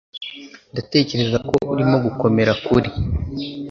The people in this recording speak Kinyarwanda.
Ndatekereza ko urimo gukomera kuri .